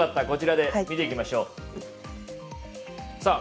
こちらで見ていきましょう。